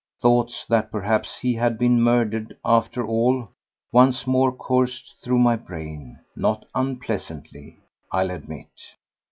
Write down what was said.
Thoughts that perhaps he had been murdered after all once more coursed through my brain: not unpleasantly, I'll admit.